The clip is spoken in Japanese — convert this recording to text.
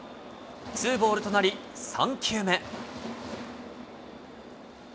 ツーボールとなり、３球目。